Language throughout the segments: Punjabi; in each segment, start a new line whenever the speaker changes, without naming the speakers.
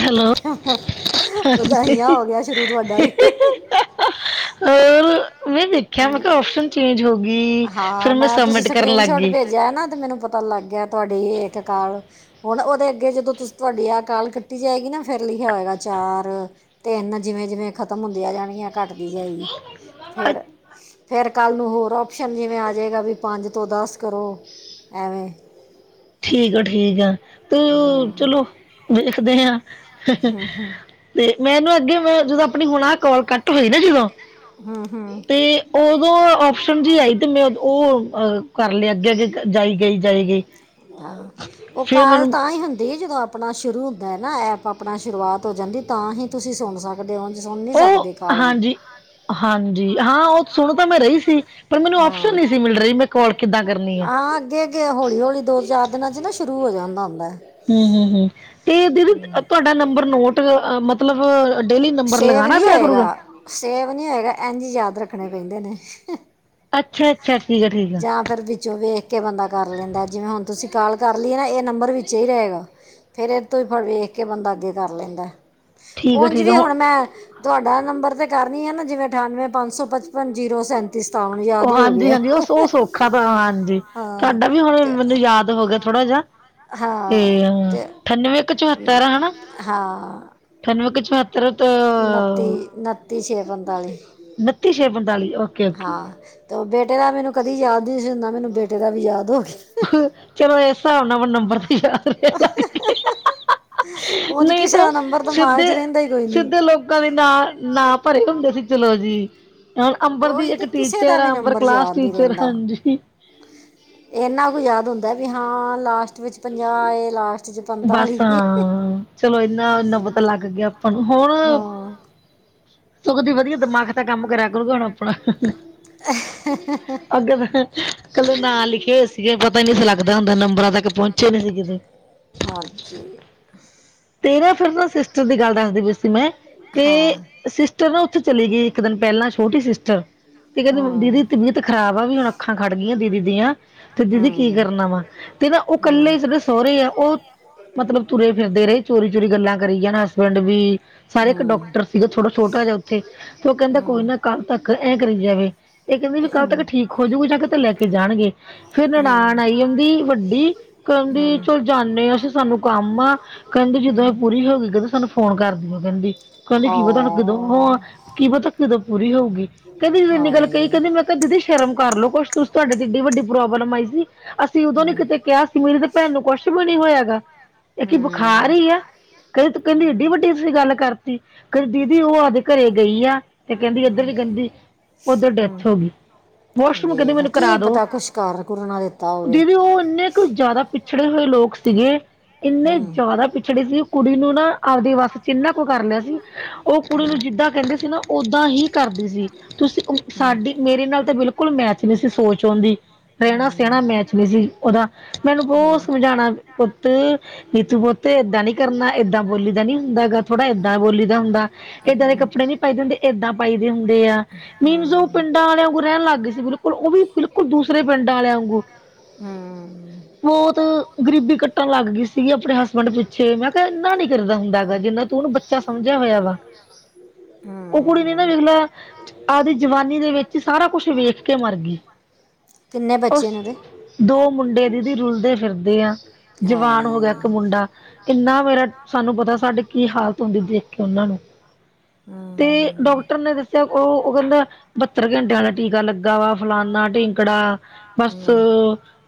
ਹੈਲੋ,
ਵਧਾਈਆਂ
ਹਾਂਜੀ
ਹੋ ਗਿਆ ਸ਼ੁਰੂ ਤੁਹਾਡਾ ਵੀ
[unintelligible] [inaudible] ਕਿਹਾ ਮੈਂ ਕਿਹਾ ਓਪਸ਼ਨ ਚੇਂਜ ਹੋ ਗਈ, ਫੇਰ ਮੈਂ ਸਬਮਿਟ ਕਰਨ ਲੱਗ ਗੀ।
ਗਿਆ ਨਾ ਤੇ ਮੈਨੂੰ ਪਤਾ ਲੱਗ ਗਿਆ ਤੁਹਾਡੀ ਇਕ ਕਾਲ ਹੁਣ ਉਹਦੇ ਅੱਗੇ ਜਦੋਂ ਤੁਸੀ ਤੁਹਾਡੀ ਆਹ ਕਾਲ ਕੱਟੀ ਜਾਏਗੀ ਨਾ ਫੇਰ ਲਿਖਿਆ ਹੋਏਗਾ ਚਾਰ। ਤੇ ਇਹਨਾ ਜਿਵੇਂ- ਜਿਵੇਂ ਖਤਮ ਹੁੰਦੀਆਂ ਜਾਣਗਿਆਂ ਘਾੱਟ ਦੀ ਜਾਏਗੀ,
ਅ-
ਫੇਰ ਫੇਰ ਕੱਲ ਨੂੰ ਹੋਰ ਔਪਸ਼ਨ ਜਿਵੇਂ ਆ ਜਾਏਗਾ ਵੀ ਪੰਜ ਤੋਂ ਦੱਸ ਕਰੋ, ਐਵੇਂ।
ਠੀਕ ਆ- ਠੀਕ ਆ ਤੋ
ਹੂੰ
ਚਲੋ ਵੇਖਦੇ ਹਾਂ।
ਹੂੰ -ਹੂੰ।
ਤੇ ਮੈਨੂੰ ਅੱਗੇ ਮੈ ਜਦੋਂ ਆਪਣੀ [unintelligible] ਕੋਾਲ ਕੱਟ ਹੋਈ ਨਾ ਜਦੋਂ
ਹੂੰ, ਹੂੰ।
ਤੇ, ਔਦੋਂ ਔਪਸ਼ਨ ਸਮਝਾਈ ਤੇ ਬਾਦ ਉਹ ਅਹ ਕਰ ਲਿਆ ਅੱਗੇ- ਅੱਗੇ ਜਾਈ ਗਈ- ਜਾਈ ਗਈ।
ਹਾਂ ਉਹ
ਫਿਰ
ਕਾਲ
ਮੈਨੂੰ
ਤਾਂ ਹੀ ਹੁੰਦੀ ਜਦੋਂ ਆਪ- ਆਪਣਾ ਸ਼ੁਰੂ ਹੁੰਦਾ ਨਾ ਐਪ ਆਪਣਾ ਸ਼ੁਰੂਆਤ ਹੋ ਜਾਂਦੀ ਤਾਂ ਹੀ। ਤੁਸੀਂ ਸੁਣ ਸਕਦੇ ਹੋ ਓਂਝ ਸੁਣ ਨੀ
ਉਹ
ਸਕਦੇ ਕਾਲ ਵੀ।
ਹਾਂਜੀ ਹਾਂਜੀ ਹਾਂ ਉਹ ਸੁਣ ਤਾਂ ਮੈਂ ਰਹੀ ਸੀ ਪਰ ਮੈਨੂੰ ਔਪਸ਼ਨ ਨਹੀਂ ਸੀ ਮਿਲ ਰਹੀ ਮੈਂ ਕੋਲ ਕਿੱਦਾਂ ਕਰਨ-
ਹਾਂ ਅੱਗੇ- ਅੱਗੇ ਹੌਲੀ- ਹੌਲੀ ਦੋ- ਚਾਰ ਦਿਨਾਂ ਚ ਨਾ ਸ਼ੁਰੂ ਹੋ ਜਾਂਦਾ ਹੁੰਦਾ ਏ।
ਹੂੰ -ਹੂੰ, ਹੂੰ ਤੇ ਦੀਦੀ ਤੁਹਾਡਾ ਨੰਬਰ ਨੋਟ ਮਤਲਬ ਡੇਲੀ ਨੰਬਰ
ਸੇਵ
ਲਗਾਣਾ
ਨਹੀਂ
ਪਿਆ ਕਰੂਗਾ।
ਹੋਏਗਾ ਸੇਵ ਨੀ ਹੈਗਾ, ਇੰਝ ਯਾਦ ਰੱਖਣੇ ਪੈਂਦੇ ਨੇ।
ਅੱਛਾ- ਅੱਛਾ ਠੀਕ ਆ- ਠੀਕ ਆ।
ਫੇਰ ਵਿੱਚੋਂ ਵੇਖ ਕੇ ਬੰਦਾ ਕਰ ਲੈਂਦਾ ਜਿਵੇਂ ਹੁਣ ਤੁਸੀਂ ਕਾਲ ਕਰ ਲਈਏ ਆ ਨਾ ਇਹ ਨੰਬਰ ਵਿੱਚ ਹੀ ਰਹੇਗਾ। ਫੇਰ ਇਹ ਤੋਂ ਹੀ ਫੇਰ ਵੇਖ ਕੇ ਬੰਦਾ ਅੱਗੇ ਕਰ ਲੈਂਦਾ
ਠੀਕ ਆ,
ਉਝ
ਠੀਕ ਆ
ਵੀ ਹੁਣ ਮੈਂ- ਤੁਹਾਡਾ ਨੰਬਰ ਤੇ ਕਰਨੀ ਹੈ ਨਾ ਜਿਵੇਂ ਅਠਾਨਵੇਂ ਪੰਜ ਸੌ ਪਚਪਨ ਜੀਰੋ ਸੈਂਤੀ ਸਤਾਵਨ। ਯਾਦ
ਉਹ
ਹੀ ਹੋ
ਹਾਂਜੀ-
ਗਿਆ
ਹਾਂਜੀ ਉਹ ਸ ਸੌਖਾ ਤਾਂ ਹਾਂਜੀ
ਹਾਂ
ਤੁਹਾਡਾ ਵੀ ਹੁਣ
ਤੇ
ਮੈਨੂੰ ਯਾਦ ਹੋ ਗਿਆ ਥੋੜਾ ਜਿਹਾ। ਤੇ
ਹਾਂ ਤੇ
ਅਠਾਨਵੇਂ ਇੱਕ ਚੁਹੱਤਰ, ਹੈਨਾ। ਅਠਾਨਵੇਂ ਕ ਚੋਹਤਰ ਤਾਂ।
ਉੱਨਤੀ, ਉੱਨਤੀ ਛੇ ਪੰਤਾਲੀ।
ਬਤੀ ਛੇ ਪੰਤਾਲੀ ਆ।
ਹਾਂ ਤੇ ਬੇਟੇ ਦਾ ਮੈਨੂੰ ਕਦੀ ਯਾਦ ਨਈ ਸੀ ਹੁੰਦਾ, ਮੈਨੂੰ ਬੇਟੇ ਦਾ ਵੀ ਯਾਦ ਹੋ ਗਿਆ।
ਚਲੋ ਇਸ ਹਿਸਾਬ ਨਾਲ ਆਪਾਂ ਨੂੰ ਨੰਬਰ ਵੀ ਯਾਦ ਰਹਿਣ ਲੱਗ ਗਏ।
ਉਂਝ
ਨਹੀਂ
ਕਿਸੇ
ਤਾਂ
ਦਾ ਨੰਬਰ ਦਿਮਾਗ ਚ ਰਹਿੰਦਾ ਈ ਕੋਈ ਨੀ।
ਕਦੀ ਨਾ, ਨਾ ਭਰੇ ਹੁੰਦੇ ਸੀ ਚਲੋ ਜੀ। ਹ ਅੰਬਰ ਦੀ
ਉਹੀ
ਇੱਕ
ਤੇ ਕਿਸੇ ਦਾ
ਟੀਚਰ ਆ
ਵੀ
ਅੰਬਰ
ਨੰਬਰ
ਕਲਾਸ
ਯਾਦ ਨਹੀਂ
ਟੀਚਰ
ਰਹਿੰਦਾ
ਹਾਂਜੀ।
ਇੰਨਾ ਕੁ ਯਾਦ ਹੁੰਦਾ ਵੀ ਹਾਂ ਲਾਸਟ ਵਿੱਚ ਪੰਜਾਹ ਐ ਲਾਸਟ, 'ਚ
ਬਸ
ਪੰਤਾਲੀ ਏ
ਹਾਂ ਚਲੋ ਇਨਾ- ਇਨਾ ਪਤਾ ਲੱਗ ਗਿਆ ਆਪਾਂ ਨੂੰ, ਹੁਣ-
[inaudible]
ਸਗੋਂ ਦੀ ਵਧੀਆ ਦਿਮਾਗ ਤਾਂ ਕੰਮ ਕਰਿਆ ਕਰੂਗਾ ਹੁਣ ਆਪਣਾ ਅੱਗੇ ਮੈਂ ਕੱਲ ਨਾਂ ਲਿਖੇ ਹੋਏ ਸੀਗੇ ਪਤਾ ਨੀ ਸੀ ਲੱਗਦਾ ਹੁੰਦਾ ਨੰਬਰਾਂ ਤੱਕ ਪਹੁੰਚੇ ਕਦੀ ਕਿਤੇ
ਹਾਂਜੀ
ਤੇਰਾ ਫਿਰਨਾ ਸਿਸਟਰ ਦੀ ਗੱਲ ਦੱਸਦੀ ਪਈ ਸੀ ਮੈਂ ਤੇ
ਹਾਂ
ਸਿਸਟਰ ਨਾ ਉੱਥੇ ਚਲੀ ਗਈ ਇੱਕ ਦਿਨ ਪਹਿਲਾਂ ਛੋਟੀ ਸਿਸਟਰ ਤੇ ਕਹਿੰਦੀ ਦੀਦੀ
ਹੂੰ
ਦੀ ਤੀਬੀਅਤ ਖ਼ਰਾਬ ਆ ਵੀ ਹੁਣ ਅੱਖਾਂ ਖੜ ਗਈਆਂ ਦੀਦੀ ਦੀਆਂ ਤੇ ਦੀਦੀ ਕੀ
ਹੂੰ
ਕਰਨਾ ਵਾ, ਤੇ ਨਾ ਉਹ
ਹੂੰ
ਇਕੱਲੇ
ਹੂੰ
ਰਿਸ ਸਹੁਰੇ ਆ ਉਹ ਮਤਲਬ ਤੁਰੇ ਫਿਰਦੇ ਰਹੇ ਚੋਰੀ ਚੋਰੀ ਗੱਲਾਂ ਕਰੀ ਜਾਣ ਹਸਬੈਂਡ ਵੀ ਸਾਰੇ ਇੱਕ
ਹੂੰ
ਡਾਕਟਰ ਸੀਗਾ ਥੋੜਾ ਛੋਟਾ ਜਿਹਾ ਉੱਥੇ, ਤੇ ਉਹ ਕਹਿੰਦਾ ਕੋਈ
ਹੂੰ
ਨਾ ਕੱਲ ਤੱਕ ਐਂ ਕਰੀ ਜਾਵੇ ਇਹ ਕਹਿੰਦੀ ਵੀ ਕੱਲ ਤੱਕ
ਹੂੰ
ਠੀਕ ਹੋਜੂਗੀ ਜਾਂ ਕਿਤੇ ਲੈ ਕੇ ਜਾਣਗੇ ਫੇਰ ਨਨਾਣ ਆਈ ਹੁੰਦੀ ਵੱਡੀ, ਕਹਿੰਦੀ
ਹੂੰ
ਚਲ ਜਾਂਦੇ ਹਾਂ ਅਸੀਂ ਸਾਨੂੰ ਕੰਮ ਆ ਕਹਿੰਦੀ ਜਦੋਂ ਇਹ
ਹੂੰ
ਪੂਰੀ ਹੋ ਗਈ ਕਹਿੰਦੀ ਸਾਨੂੰ ਫੋਨ ਕਰਦੀਓ ਕਹਿੰਦੀ ਕਹਿੰਦੀ ਕੀ ਪਤਾ ਹੁਣ ਕਦੋਂ
ਹਾਂ
ਉਹ ਕਿ ਪਤਾ ਕਦੋਂ ਪੂਰੀ ਹੋਊਗੀ ਕਹਿੰਦੀ ਜਦੋਂ ਇੰਨੀ ਗੱਲ ਕਹੀ
ਹਾਏ
ਕਹਿੰਦੀ ਮੈਂ ਕਹਿੰਦੀ ਦੀਦੀ ਸ਼ਰਮ ਕਰ ਲਓ ਕੁਛ ਤੁਸੀਂ ਤੁਹਾਡੇ ਤੇ ਐਡੀ ਵੱਡੀ ਪ੍ਰੋਬਲਮ ਆਈ ਸੀ ਅਸੀਂ ਉਦੋਂ ਨੀ
ਹੂੰ
ਕਿਤੇ ਕਿਹਾ ਸੀ ਮੇਰੀ ਦੇ ਭੈਣ ਨੂੰ ਕੁਛ ਵੀ ਨਹੀਂ ਹੋਇਆ ਹੈਗਾ ਇੱਕ ਕਿ ਬੁਖਾਰ
ਹੂੰ
ਹੀ ਹੈ ਕਹਿ ਤੂੰ ਕਹਿੰਦੀ
ਹੂੰ
ਏਡੀ ਵੱਡੀ ਸੀਂ ਗੱਲ ਕਰਤੀ ਕਹਿੰਦੀ ਦੀਦੀ ਉਹ ਆਪਦੇ ਘਰੇ ਗਈ ਆ ਤੇ ਕਹਿੰਦੀ ਇੱਧਰਲੀ ਗੰਦੀ ਉੱਧਰ
ਹੂੰ
ਡੈਥ ਹੋ ਗਈ ਵਾਸ਼ਰੂਮ ਕਹਿੰਦੀ
ਵੇਖ
ਮੈਨੂੰ
ਕੀ
ਕਰਾ ਦੋ
ਪਤਾ ਕੁਛ ਕਰ ਕੁਰਨਾ ਦਿੱਤਾ ਹੋਵੇ
ਦੀਦੀ ਉਹ ਇੰਨੇ ਅੱਜ- ਕੱਲ ਜ਼ਿਆਦਾ ਪਿਛੜੇ ਹੋਏ ਲੋਕ ਸੀਗੇ ਇੰਨੇ
ਹੂੰ
ਮੈਂ ਪਿਛੜੀ ਸੀ ਕੁੜੀ ਨੂੰ ਨਾ ਆਪਦੀ ਵਸ ਜਿੰਨਾ ਕੁ ਕਰ ਲਿਆ ਸੀ, ਉਹ ਕੁੜੀ
ਹੂੰ
ਨੂੰ ਜਿੱਦਾਂ ਕਹਿੰਦੇ ਸੀ ਨਾ ਓਦਾਂ ਹੀ ਕਰਦੀ ਸੀ ਤੁਸੀਂ
ਹੂੰ
ਸਾਡੀ, ਮੇਰੇ ਨਾਲ ਤਾਂ ਬਿਲਕੁਲ ਮੈਚ ਨਹੀਂ ਸੀ ਸੋਚ ਓਂਦੀ ਰਹਿਣਾ ਸਹਿਣਾ ਮੈਚ ਵੀ ਸੀ ਉਹਦਾ, ਮੈ ਉਹਨੂੰ ਬਹੁਤ ਸਮਝਾਉਣਾ ਪੁੱਤ ਨੀਤੂ ਪੁੱਤ ਐਦਾਂ ਨੀ ਕਰਨਾ ਏਦਾਂ ਬੋਲੀ ਦਾ ਨੀ ਹੁੰਦਾ ਗਾ ਥੋੜਾ ਐਦਾਂ ਬੋਲੀ ਦਾ ਹੁੰਦਾ ਏਦਾਂ ਦੇ ਕੱਪੜੇ ਨਹੀਂ ਪਾਈਦੇ ਹੁੰਦੇ ਐਦਾਂ ਪਾਈਦੇ ਹੁੰਦੇ ਆ ਮੀਨਜ਼ ਉਹ ਪਿੰਡਾਂ ਵਾਲਿਆਂ ਕੋਲ ਰਹਿਣ ਲੱਗ ਗਈ ਸੀ ਬਿਲਕੁਲ ਉਹ ਵੀ ਬਿਲਕੁਲ ਦੂਸਰੇ ਪਿੰਡਾਂ ਵਾਲਿਆਂ ਵਾਂਗੂੰ
ਹੂੰ
ਬਹੁਤ ਗਰੀਬੀ ਕੱਟਣ ਲੱਗ ਗਈ ਸੀ ਨੀ ਆਪਣੇ ਹਸਬੈਂਡ ਪਿੱਛੇ, ਮੈਂ ਕਿਹਾ ਇੰਨਾ ਨੀ ਕਰੀਦਾ ਹੁੰਦਾ ਹੈਗਾ ਜਿੰਨਾ ਤੂੰ ਉਹਨੂੰ ਬੱਚਾ ਸਮਝਿਆ ਹੋਇਆ ਗਾ ਉਹ ਕੁੜੀ ਨੇ ਨਾ ਵੇਖ ਲੈ ਆਪਦੀ ਜਵਾਨੀ ਦੇ ਵਿੱਚ ਸਾਰਾ ਕੁਛ ਵੇਖ ਕੇ ਮਰ ਗਈ,
ਕਿੰਨੇ
ਉਸ
ਬੱਚੇ ਨੇ ਉਹਦੇ
ਦੋ ਮੁੰਡੇ ਦੀਦੀ ਰੁਲਦੇ ਫਿਰਦੇ ਆ ਜਵਾਨ ਹੋ
ਹਾਏ
ਗਿਆ ਇੱਕ ਮੁੰਡਾ ਕਿੰਨਾ ਮੇਰਾ ਸਾਨੂੰ ਪਤਾ ਸਾਡੀੇ ਕੀ ਹਾਲਤ ਹੁੰਦੀ ਦੇਖ ਕੇ ਉਹਨਾਂ ਨੂੰ ਤੇ
ਹਮ
ਡੋਕਟਰ ਨੇ ਦੱਸਿਆ ਉਹ ਉਹ ਕਹਿੰਦਾ ਬਹੱਤਰ ਘੰਟਿਆਂ ਵਾਲਾ ਟੀਕਾ ਲੱਗਾ ਵਾ ਫਲਾਨਾ ਢਿੰਕੜਾ ਬਸ
ਹਮ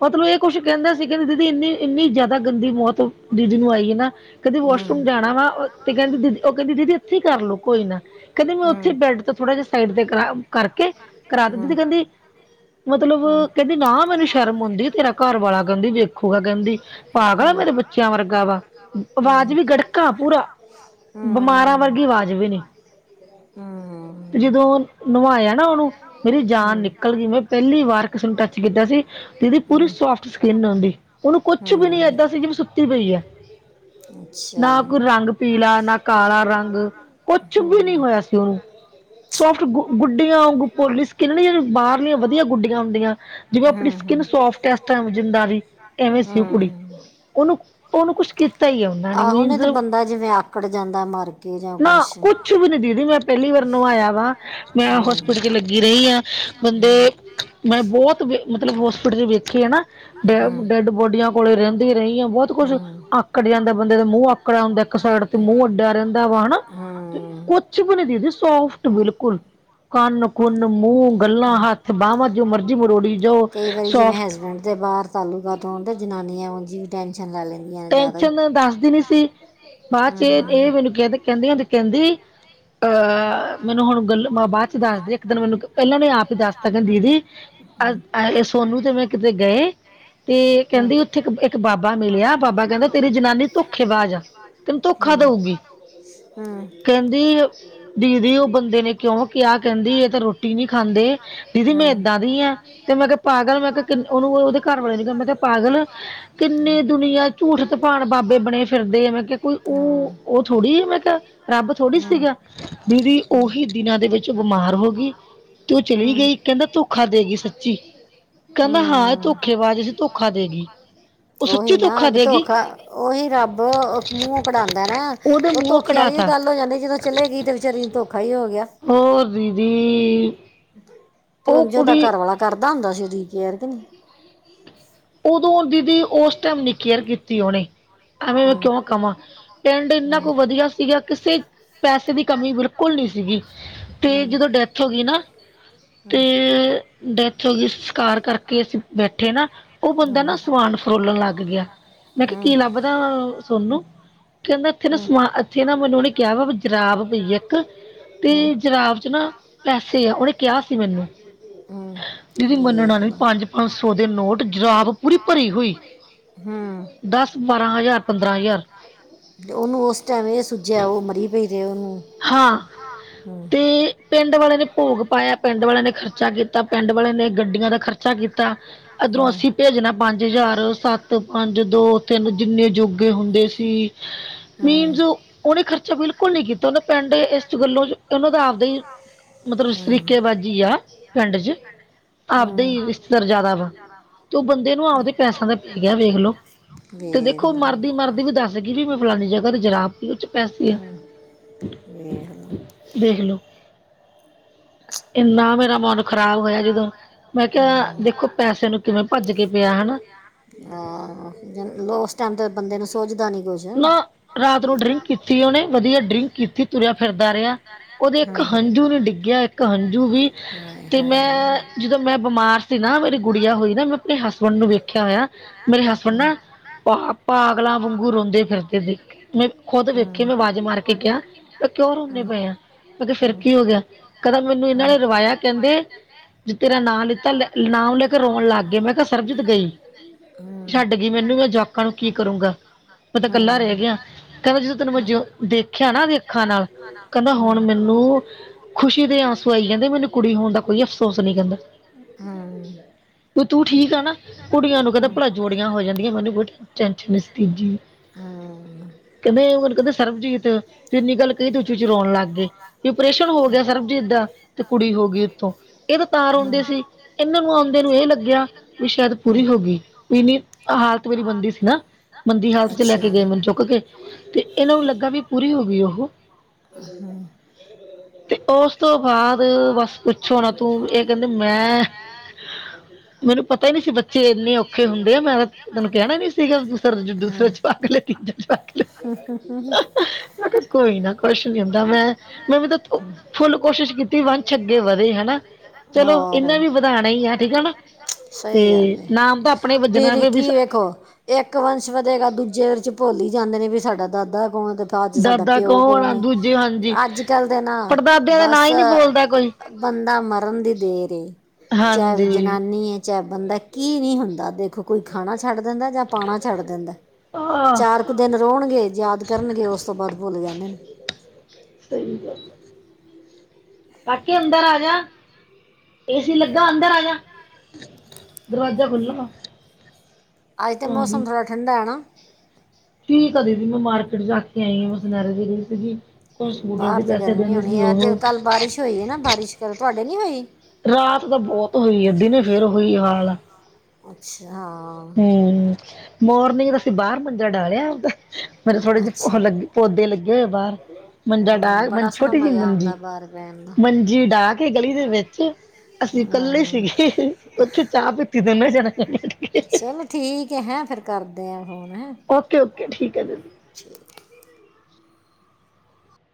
ਮਤਲਬ ਇਹ ਕੁਛ ਕਹਿੰਦਾ ਸੀ ਦੀਦੀ ਇੰਨੀ ਇੰਨੀ ਜ਼ਿਆਦਾ ਗੰਦੀ ਮੌਤ ਦੀਦੀ ਨੂੰ ਆਈਏ ਨਾ ਕਹਿੰਦੇ
ਹਮ
ਵਾਸ਼ਰੂਮ
ਹਮ
ਜਾਣਾ ਵਾ ਤੇ ਕਹਿੰਦੀ ਦੀਦੀ ਉਹ ਕਹਿੰਦੀ ਦੀਦੀ ਇੱਥੇ ਹੀ ਕਰ ਲਓ ਕੋਈ ਨਾ ਕਹਿੰਦੀ ਮੈਂ ਉੱਥੇ
ਹਮ
ਬੈਡ ਤੋਂ ਥੋੜਾ ਜਿਹਾ ਸਾਈਡ ਤੇ ਕਰਾ ਕਰਕੇ ਕਰਾ ਦਿੱਤਾ ਦੀਦੀ
ਹਮ
ਕਹਿੰਦੀ ਮਤਲਬ
ਹਮ
ਕਹਿੰਦੀ ਨਾ ਮੈਨੂੰ ਸ਼ਰਮ ਆਉਦੀ ਤੇਰਾ ਘਰ ਵਾਲਾ ਕਹਿੰਦੀ ਵੇਖੂਗਾ ਕਹਿੰਦੀ ਪਾਗਲ ਆ ਮੇਰੇ ਬੱਚੇ ਬੱਚਿਆਂ ਵਰਗਾ ਵਾ ਆਵਾਜ਼
ਹਮ
ਵੀ
ਹਮ
ਗੜਕਾ ਪੂਰਾ
ਹਮ
ਬਿਮਾਰਾਂ ਵਰਗੀ ਆਵਾਜ਼ ਜਵੇਂ ਨੀ ਜਦੋਂ ਨਵਾਇਆ ਨਾ ਉਹਨੂੰ ਮੇਰੀ ਜਾਨ ਨਿਕਲ ਗਈ ਮੈਂ ਪਹਿਲੀ ਵਾਰ ਕਿਸੇ ਨੂੰ ਟੱਚ ਕੀਤਾ ਸੀ ਦੀਦੀ ਪੂਰੀ ਸੋਫਟ ਸਕਿੰਨ ਔਦੀ, ਉਹਨੂੰ ਕੁਛ ਵੀ ਨੀ
ਹਮ
ਏਦਾਂ ਸੀ
ਅੱਛਾ
ਨਾ ਕੋਈ ਰੰਗ ਪੀਲਾ, ਨਾ ਕਾਲਾ ਰੰਗ ਕੁਛ ਵੀ ਨਹੀਂ
ਹਮ
ਹੋਇਆ ਸੀ, ਉਹਨੂੰ। ਸੋਫਟ ਗੁ ਗੁੱਡੀਆਂ ਵੂਗਂ ਪੋਲੀ ਸਕਿਨ, ਬਾਹਰਲੀਆਂ ਵਧੀਆ ਗੁੱਡੀਆਂ ਹੁੰਦੀਆਂ ਜਿਵੇਂ
ਹਮ
ਆਪਣੀ ਸਕਿੰਨ
ਹਮ
ਸੋਫਟ ਏਸ ਟਾਮ ਜਿੰਨਾ ਦੀ, ਐਵੇਂ ਸੀ ਉਹ ਕੁੜੀ।
ਹਮ
ਉਹਨੂੰ - ਉਹਨੂੰ ਕੁਛ ਕੀਤਾ ਹੀ ਹੈ ਉਹਨਾਂ ਨੇ, ਮੀਨਜ਼
ਬਦਾ ਜਿਵੇਂ ਆਕੜ ਜਾਂਦਾ ਮਰ ਕੇ, ਜਾਂ ਕੁਛ
ਕੱਛ ਨੀ ਦੀਦੀ, ਮੈਂ ਪਹਿਲੀ ਵਾਰ ਨੁਵਾਇਆ ਵਾ ਮੈਂ
ਹੂੰ
ਹੋਸਪਿਟਲ 'ਚ ਲੱਗੀ ਰਹੀ ਆ। ਬੰਦੇ ਮੈਂ ਬਹੁਤ ਮਤਲਬ, ਹੋਸਪਿਟਲ 'ਚ ਵੇਖੇ ਆ ਨਾ ਡੈ
ਹੂੰ
ਡੈਡ ਬੋਡੀਆਂ ਕੋਲ ਰਹਿੰਦੀ ਰਹੀ ਆ, ਬਹੁਤ ਕੁਛ
ਹੂੰ
ਆਕੜ ਜਾਂਦਾ ਬੰਦੇ ਦਾ ਮੂੰਹ ਆਕੜਿਆ ਹੁੰਦਾ, ਇੱਕ ਸਾਈਡ ਤੇ ਮੂੰਹ ਅੱਡਿਆ ਰੇਦਾ ਤੇ
ਹਮ
ਕੁਛ ਵੀ ਨੀ ਦੀਦੀ, ਸੋਫਟ ਬਿਲਕੁਲ। ਕੰਨ - ਕੁੁੰਨ, ਮੂੰਹ, ਗੱਲਾਂ, ਹੱਥ, ਬਾਹਵਾਂ ਜੋ ਮਰਜ਼ੀ ਮਰੋੜੀ ਜਾਓ ਸੋਫਟ
ਲੈਣ ਦੇ ਬਾਹਰ ਤਾਨੂੰ ਪਤਾ, ਹੋਣ ਤੇ ਜਨਾਨੀਆਂ ਉਂਝ ਵੀ ਟੈੈਂਸ਼ਨ ਲੈ ਲੈਂਦੀ।
ਟੈਨਸ਼ਨ ਦੱਸਦੀ ਨੀ ਸੀ। ਬਾਅਦ 'ਚ
ਹਮ
ਇਹ-ਇਹ ਮੈਨੂੰ ਤੇ ਕਹਿੰਦੀ, ਕੈਂਦੀ ਅਹ, ਮੈਨੂੰ ਹੁਣ ਗੱਲ ਮੈਂ ਬਾਅਦ 'ਚ ਦੱਸਦੀ। ਇੱਕ ਦਿਨ ਮੈਨੂੰ ਪਹਿਲਾਂ ਨੇ, ਆਪ ਹੀ ਦੱਸ ਤਾ ਦੀਦੀ ਸੋਨੂੰ ਤੇ ਮੈਂ ਕਿਤੇ ਗਏ, ਤੇ ਕਹਿੰਦੀ ਉੱਥੇ ਇੱਕ ਬਾਬਾ ਮਿਲਿਆ ਬਾਬਾ ਕਹਿੰਦਾ ਤੇਰੀ ਜਨਾਨੀ ਧੋਖੇਬਾਜ਼ ਆ ਤੈਨੂੰ ਧੋਖਾ ਦਊਗੀ
ਹੁੰ-ਹੁੰ।
ਕਹਿੰਦੀ, ਦੀਦੀ ਉਹ ਬੰਦੇ ਨੇ ਕਿਉਂ ਕਿਹਾ, ਕਹਿੰਦੀ ਇਹ ਤਾਂ ਰੋਟੀ ਨਹੀਂ ਖਾਂਦੇ
ਹਮ ਹਮ
ਦੀਦੀ ਮੈਂ
ਹਮ ਹਮ
ਇੱਦਾਂ ਦੀ ਆ, ਤੇ ਮੈਂ ਕਿਹਾ ਪਾਗਲ ਮੈਂ ਕਿਹਾ ਉਹਨੂੰ ਉਹਦੇ ਘਰ ਵਾਲੇ ਨੀ ਕਿਹਾ, ਮੈਂ ਕਿਹਾ ਪਾਗਲ ਕਿੰਨੇ ਦੁਨੀਆਂ ਝੂਠ ਤੁਪਾਨ ਬਾਬੇ ਬਣੇ ਫਿਰਦੇ, ਮੈਂ ਕਿਹਾ ਕੋਈ ਉਹ - ਉਹ ਥੋੜ੍ਹੀ ਆ, ਮੈਂ ਕਿਹਾ ਰੱਬ ਥੋੜੀ ਸੀਗਾ। ਦੀਦੀ
ਹਮ
ਉਹੀ ਦਿਨਾਂ ਦੇ ਵਿੱਚ, ਉਹ ਬਿਮਾਰ ਹੋ ਗਈ ਤੇ ਉਹ ਚਲੀ ਗਈ। ਕਹਿੰਦਾ ਧੋਖਾ ਦੇ ਗਈ ਸੱਚੀ।
ਹਮ
ਕਹਿੰਦਾ ਹਾਂ ਇਹ
ਹਮ
ਧੋਖੇਬਾਜ਼ ਸੀਂ, ਧੋਖਾ ਦੇਗੀਈ। ਉਹ ਸੱਚੀ
ਉਹੀ
ਧੋਖਾ
ਨਾ ਵੀ
ਦੇਗੀ
ਧੋਖਾ ਉਹੀ ਰੱਬ ਮੂੰਹ ਕਢਾਉਂਦਾ ਨਾ,
ਉਹਦੇ
ਉਹ
ਮੂੰਹੋਂ
ਧੋਖੇ ਵਾਲੀ
ਕਢਾਤਾ
ਗੱਲ ਹੋ ਜਾਂਦੀ ਜਦੋਂ ਚਲੇ ਗਈ ਤੇ ਵਿਚਾਰੀ ਨੂੰ, ਧੋਖਾ ਹੀ ਹੋ ਗਿਆ।
ਹੋਰ ਦੀਦੀ
ਤੇ
ਉਹ
ਉਂਝ ਉਦੀ
ਕੁੜੀ
ਘਰਵਾਲਾ ਕਰਦਾ ਹੁੰਦਾ ਸੀ ਉਦੀ ਕੇਅਰ, ਕਿ ਨਹੀਂ? ਹ-
ਉਦੋਂ ਦੀਦੀ ਉਸ ਟਾਈਮ ਨੀ ਕੇਅਰ ਕੀਤੀ ਉਹਨੇ, ਐਵੇਂ ਮੈਂ
ਹੂੰ
ਕਿਉਂ ਕਵਾਂ ਪਿੰਡ ਇੰਨਾ
ਹੂੰ
ਕੁ ਵਧੀਆ ਸੀਗਾ, ਕਿਸੇ ਪੈਸੇ ਦੀ ਕਮੀ ਬਿਲਕੁਲ ਨਹੀਂ ਸੀਗੀ।
ਹਾਂ।
ਤੇ ਜਦੋਂ ਡੈਥ ਹੋ ਗਈ ਨਾ ਤੇ ਡੈਥ ਹੋ ਗਈ, ਸਸਕਾਰ ਕਰਕੇ ਕੇ ਅਸੀਂ ਬੈਠੇ ਨਾ ਉਹ ਬੰਦਾ ਨਾ,
ਹੂੰ
ਸਮਾਨ ਫਰੋਲਣ ਲੱਗ ਗਿਆ। ਮੈਂ ਕਿਹਾ
ਹੂੰ
ਕੀ ਲੱਭਦਾ ਸੋਨੂੰ ਕਹਿੰਦਾ ਇੱਥੇ ਨਾ
ਹੂੰ
ਸਮਾਨ, ਇੱਥੇ ਨਾ ਮੈਨੂੰ ਉਹਨੇ ਕਿਹਾ ਵਾ ਜਰਾਬ ਪਈ ਇੱਕ,
ਹੂੰ
ਤੇ ਜਰਾਬ 'ਚ ਨਾ ਪੈਸੇ ਆ, ਉਹਨੇ ਕਿਹਾ ਸੀ ਮੈਨੂੰ
ਹੂੰ
ਦੀਦੀ ਮੰਨਣਾ
ਦੇਖ
ਨਾ,
ਲਾ
ਪੰਜ-ਪੰਜ ਸੌ ਦੇ ਨੋਟ, ਜਰਾਬ ਪੂਰੀ ਭਰੀ ਹੋਈ।
ਹੂੰ
ਦਸ ਬਾਰਾਂ ਹਜ਼ਾਰ, ਪੰਦਰਾਂ ਹਜ਼ਾਰ
ਉਹਨੂੰ ਉਸ ਟਾਈਮ ਇਹ ਸੁੱਜਿਆ, ਉਹ ਮਰੀ ਪਈ ਤੇ ਉਹਨੂੰ
ਹਾਂ
ਹਮ।
ਤੇ ਪਿੰਡ ਵਾਲੇ ਨੇ ਭੋਗ ਪਾਇਆ ਪਿੰਡ ਵਾਲਿਆਂ ਨੇ ਖਰਚਾ ਕੀਤਾ ਪਿੰਡ ਵਾਲਿਆਂ ਨੇ ਗੱਡੀਆਂ ਦਾ ਖਰਚਾ ਕੀਤਾ ਅੱਧਰੋਂ
ਹੂੰ
ਅਸੀਂ ਭੇਜਣਾ ਪੰਜ ਹਜ਼ਾਰ ਸੱਤ ਪੰਜ ਦੋ ਤਿੰਨ ਜਿੰਨੇ ਜੋਗੇ ਹੁੰਦੇ ਸੀ
ਹੂੰ
ਮੀਨਸ ਉਹਨੇ ਖਰਚਾ ਬਿਲਕੁਲ ਨੀ ਕੀਤਾ ਉਹਦੇ ਪਿੰਡ ਇਸ ਗੱਲੋਂ ਚ ਉਹਨਾਂ ਦਾ ਮਤਲਬ
ਹੂੰ
ਸਰੀਕੇਬਾਜ਼ੀ ਆ ਪਿੰਡ ਚ ਆਪਦੇ
ਹੂੰ
ਹੀ ਰਿਸ਼ਤੇਦਾਰ ਜ਼ਿਆਦਾ ਵਾ ਤੇ ਉਹ ਬੰਦੇ ਨੂੰ ਆਪਦੇ ਪੈਸਿਆਂ ਦਾ ਪੈ ਗਿਆ ਵੇਖ ਲੋ ਤੇ
ਵੇਖ
ਦੇਖੋ
ਲਾ
ਮਰਦੀ ਮਰਦੀ ਵੀ ਦੱਸ ਗਈ ਵੀ ਮੈਂ ਫਲਾਨੀ ਜਗ੍ਹਾ ਤੇ ਜਰਾਬ ਹੀ ਉਹ ਚ ਪੈਸੇ ਆ
ਇਹ ਹੰ
ਵੇਖ ਲਓ ਏਨਾ ਮੇਰਾ ਮਨ ਖ਼ਰਾਬ ਹੋਇਆ ਜਦੋਂ ਮੈਂ ਕਿਹਾ
ਹੂੰ
ਦੇਖੋ ਪੈਸੇ ਨੂੰ ਕਿਵੇਂ ਭੱਜ ਕੇ ਪਿਆ ਹੈਨਾ
ਹੰ ਉਸ ਟਾਈਮ ਤੇ ਬੰਦੇ ਨੂੰ ਸੁਝਦਾ ਨੀ ਕੁਝ ਹਾਂ
ਨਾ ਰਾਤ ਨੂੰ ਡਰਿੰਕ ਕੀਤੀ ਉਹਨੇ ਵਦੀਆ ਡਰਿੰਕ ਕਿੱਥੇ ਤੁਰਿਆ ਫਿਰਦਾ ਰਿਹਾ, ਉਹਦੇ ਇੱਕ ਹੰਝੂ ਨ ਡਿੱਗਿਆ, ਇੱਕ ਹੰਝੂ ਵੀ
ਹਾਏ
ਤੇ
ਹਾਏ ਹਾਂ
ਮੈਂ ਜਦੋਂ ਮੈਂ ਬਿਮਾਰ
ਹਾਂ
ਸੀ ਨਾ ਮੇਰੀ
ਹਾਂ
ਗੁੜੀਆ ਹੋਈ
ਹਾਂ
ਨਾ ਮੈਂ ਆਪਨੇ ਹਸਬੈਂਡ ਨੂੰ ਵੇਖਿਆ ਹੋਇਆ ਮੇਰੇ ਹਸਬੈਂਡ ਨਾ ਪਾ ਪਾਗਲਾਂ ਵਾਂਗੂ ਰੋਂਦੇ ਫਿਰਦੇ ਦੇਖ ਮੈਂ ਖੁਦ
ਹਾਂ
ਵੇਖੇ ਮੈਂ ਆਵਾਜ਼ ਮਾਰ ਕੇ ਕਿਆ ਕਿਉਂ ਰੋਨੇ ਪਏ ਆ ਮੈਂ ਕਿਹਾ ਫਿਰ ਕੀ ਹੋ ਗਿਆ ਕੈਦਾ ਮੈਨੂੰ ਇਹਨਾਂ ਨੇ ਰਵਾਇਆ ਕਹਿੰਦੇ ਜੇ ਤੇਰਾ ਨਾਂਅ ਲਿੱਤਾ ਨਾਮ ਲੈ ਕੇ ਰੋਣ ਲੱਗ ਗਏ ਮੈਂ ਕਿਹਾ ਸਰਬਜੀਤ ਗਈ ਛੱਡ ਗਈ ਮੈਨੂੰ ਮੈਂ ਜੋਆਕਾਂ ਨੂੰ ਕੀ ਕਰੂੰਗਾ ਪਤਾ ਇਕੱਲਾ ਰਹਿ ਗੇਆ ਕਹਿੰਦਾ ਜਦੋਂ ਤੈਨੂੰ ਮੈਂ ਦੇਖਿਆ ਨਾ ਖਾਂਨਾ ਨਾਲ ਕਹਿੰਦਾ
ਹਾਂ
ਹੁਨ
ਹਾਂ
ਮੈਨੂੰ ਖੁਸ਼ੀ ਦੇ ਆਸੂ ਆਈ ਜਾਂਦੇ ਮੈਨੂੰ ਕੁੜੀ ਹੋਨ ਦਾ ਕੋਈ ਅਫਸੋਸ ਨਹੀਂ ਕਹਿੰਦੇ
ਹੰ
ਵੀ ਤੂੰ ਠੀਕ ਐ ਨਾ ਕੁੜੀਆਂ ਨੂੰ ਕਹਿੰਦਾ ਭਲਾ ਜੋੜੀਆਂ ਹੋ ਜਾਂਦੀਆਂ ਮੈਨੂੰ ਕੋਈ ਟੈਨਸ਼ਨ ਨੀ ਸੀ ਜੀ ਕਹਿੰਦੇ ਉਹਨੂੰ ਕਹਿੰਦੇ ਸਰਬਜੀਤ ਇੰਨੀ ਗੱਲ ਕਹੀ ਦ ਉਚੀ ੳਚੀ ਰੋਨ ਲੱਗ ਗਏ ਵੀ ਪ੍ਰੇਸ਼ਨ ਹੋ ਗਿਆ ਸਰਬਜੀਤ ਦਾ ਤੇ ਕੁੜੀ ਹੋ ਗਈ ਉੱਥੋਂ ਇਹ ਤਾਂ ਤਾੰ ਰਉਂਦੇ ਸੀ ਇਹਨਾਂ ਨੂੰ ਆਉਂਦੇ ਨੂੰ ਇਹ ਲੱਗਿਆ ਵੀ ਸ਼ਾਇਦ ਪੂਰੀ ਹੋ ਗਈ ਵੀ ਇਨੀ ਹਾਲਤ ਮੇਰੀ ਮੰਦੀ ਸੀ ਨਾ ਮੰਦੀ ਹਾਲਤ ਤੇ ਲੈ
ਅੱਛਾ
ਕੇ ਗਏ ਮੈਨੂੰ ਚੁੱਕ ਕੇ ਤੇ ਇਹਨਾਂ ਨੂੰ ਲੱਗਾ ਵੀ ਪੂਰੀ ਹੋ ਗਈ ਉਹ
ਹ [unintelligible]
ਤੇ ਉਸ ਤੋਂ ਬਾਅਦ ਬਸ ਪੁੱਛੋ ਨਾ ਤੂੰ ਇਹ ਕਹਿੰਦੇ ਮੈਂ ਮੈਨੂੰ ਪਤਾ ਈ ਨੀ ਸੀ ਬੱਚੇ ਇੰਨੇ ਔਖੇ ਹੁੰਦੇ ਆ ਮੈਂ ਤਾਂ ਤੈਨੂੰ ਕਹਿਨਾ ਨੀ ਸੀਗਾ ਦੂਸਰੇ
ਹਮ
[unintelligible] ਮੈ ਕਿਆ ਕੋਈ ਨਾ ਕੁਛ ਨੀ ਹੁੰਦਾ ਮੈਂ ਮੈਂ ਵੀ ਤਾਂ ਫੁੱਲ ਕੋਸ਼ਿਸ਼ ਕੀਤੀ ਵੰਸ਼ ਅੱਗੇ ਵਧੇ ਹੈਨਾ ਚਲੋ
ਹੋਰ
ਇਹਨਾ ਵੀ ਵਦਾਨਾ ਈ ਆ ਠੀਕ ਆ ਨਾ ਤੇ
ਸਹੀ
ਨਾਮ ਤਾਂ ਅਪਨਾ ਈ ਵੱਜਣਾ ਵੀ
ਦੇਖੋ ਇੱਕ ਵੰਸ਼ ਵਦੇਗਾ ਦੂਜੇ ਚ ਭੁਲ ਈ ਜਾਂਦੇ ਨੇ ਵੀ ਸਾਡਾ ਦਾਦਾ ਕੌਨ ਤੇ ਅਜ ਸਾਡਾ
ਦਾਦਾ
ਲੋਕ
ਕੌਣ ਆ
ਹੋਨ
ਦੂਜੇ
ਤੇ
ਹਾਂਜੀ
ਅਜ ਕੱਲ ਦੇ ਨਾ
ਪੜਦਾਦਿਆਂ ਦਾ ਨਾਂ
ਬਸ
ਹੀ ਨਹੀਂ ਬੋਲਦਾ ਕੋਈ
ਬੰਦਾ ਮਰਨ ਦੀ ਦੇਰ ਈ ਚਾਹੇ ਉਹ
ਹਾਂਜੀ
ਜਨਾਨੀ ਏ ਚਾਏ ਬੰਦਾ ਕੀ ਨਹੀਂ ਹੁੰਦਾ ਦੇਖੋ ਕੋਈ ਖਾਨਾ ਛੱਡ ਦੇੰਦਾ ਜਾਂ ਪਾਉਨਾ ਛੱਡ ਦੇੰਦਾ
ਆ
ਚਾਰ ਕੁ ਦਿਨ ਰੋਨਗੇ ਯਾਦ ਕਰਨਗੇ ਉਸ ਤੋਂ ਬਾਅਦ ਭੂਲੇ ਜਾਂਦੇ ਨੇ
ਸਹੀ ਗੱਲ ਏ ਕਾਕੇ ਅਦੰਰ ਆਜਾ ਏਸੀ ਲੱਗਾ ਅੰਦਰ ਆਜਾ ਦਰਵਾਜਾ ਖੁਲੋ
ਅੱਜ ਤੇ ਮੌਸਮ ਥੋੜ੍ਹਾ ਠੰਡਾ ਏ ਨਾ
ਕੀ ਕਦੇ ਵੀ ਮੈਂ ਮਾਰਕੀਟ ਜਾ ਕੇ ਆਈ ਆ, ਮੈਂ ਸੁਨਿਆਰੇ ਦੀ ਗਈ ਸੀਗੀ ਕੁਝ ਸਕੂਟਰ ਦੇ ਪੈਸੇ ਦੇਣੇ ਸੀ ਉਹ
ਏਥੇ ਹੋਈਏ ਨਾ ਬਾਰਿਸ਼ ਕੱਲ ਤੁਹਾਡੇ ਨੀ ਹੋਈ?
ਰਾਤ ਤਾਂ ਬੋਤ ਹੋਈ ਐ ਦਿਨੇ ਫੇਰ ਹੋਈ ਹਾਲ ਆ।
ਅੱਛਾ ਹਾਂ।
ਹੂੰ ਮੋਰਨਿੰਗ ਦਾ ਅਸੀਂ ਬਾਰ ਮੰਜਾ ਡਾਲਿਆ ਆਪਦਾ। ਮੇਰੇ ਥੋੜੀ ਜੀ
ਅੱਛਾ
ਉਹ ਲੱਗ ਪੌਦੇ ਲੱਗੇ ਹੋਏ ਐ ਬਾਰ। ਮੰਜਾ ਡਾ
ਹਾਂ, ਬੜਾ
ਮੰਜ
ਸੋਹਣਾ
ਛੋਟੀ ਜੀ
ਮਜ਼ਾ
ਮੰਜੀ,
ਆਉਂਦਾ ਬਾਹਰ ਬਹਿਣ ਦਾ
ਮੰਜੀ ਡਾ ਕੇ ਗਲੀ ਦੇ ਵਿੱਚ ਅਸੀਂ ਇਕੱਲੇ
ਹਾਂ
ਸੀਗੇ ਉੱਥੇ ਚਾ ਪੀਤੀ ਦੋਨੇ ਜਣੇ।
ਚਲੋ ਠੀਕ ਏ ਹੈ ਫੇਰ ਕਰਦੇ ਆ ਫੋਨ ਹੈ।
ਓਕੇ-ਓਕੇ ਠੀਕ ਐ ਜੀ।